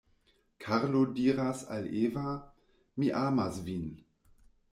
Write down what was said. Karlo diras al Eva: Mi amas vin.